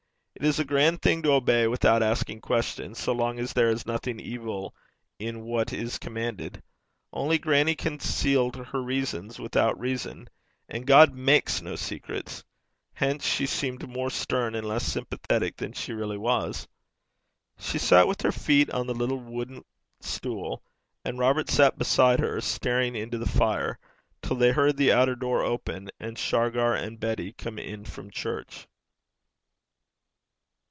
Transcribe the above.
It is a grand thing to obey without asking questions, so long as there is nothing evil in what is commanded. Only grannie concealed her reasons without reason; and God makes no secrets. Hence she seemed more stern and less sympathetic than she really was. She sat with her feet on the little wooden stool, and Robert sat beside her staring into the fire, till they heard the outer door open, and Shargar and Betty come in from church.